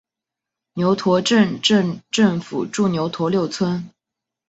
牛驼镇镇政府驻牛驼六村。